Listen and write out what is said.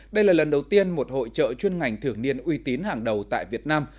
đây là lần đầu tiên một hội trợ chuyên ngành thường niên uy tín hàng đầu tại việt nam